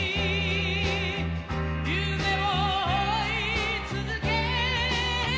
「夢を追いつづけ」